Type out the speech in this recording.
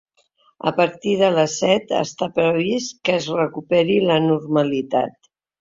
A partir de les set està previst que es recuperi la normalitat.